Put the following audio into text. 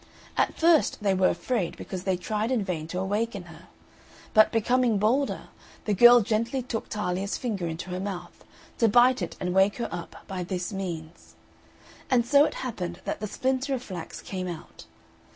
At first they were afraid because they tried in vain to awaken her; but, becoming bolder, the girl gently took Talia's finger into her mouth, to bite it and wake her up by this means; and so it happened that the splinter of flax came out.